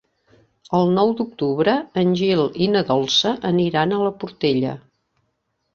El nou d'octubre en Gil i na Dolça aniran a la Portella.